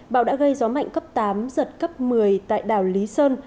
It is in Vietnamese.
bão đã gây gió mạnh cấp tám giật cấp một mươi tại đảo lý sơn